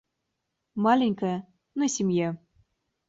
Маленькая, но семья.